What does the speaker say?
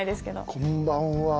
こんばんは。